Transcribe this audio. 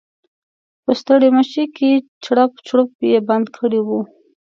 په ستړيمشې کې چړپ چړوپ یې بند کړی و.